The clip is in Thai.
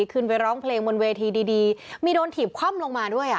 ขึ้นไปร้องเพลงบนเวทีดีดีมีโดนถีบคว่ำลงมาด้วยอ่ะ